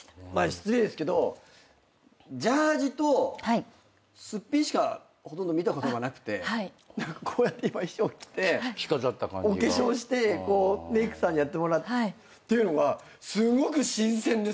失礼ですけどジャージーとすっぴんしかほとんど見たことがなくてこうやって今衣装着てお化粧してメークさんにやってもらうっていうのがすごく新鮮です。